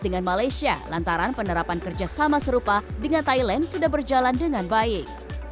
dengan malaysia lantaran penerapan kerjasama serupa dengan thailand sudah berjalan dengan baik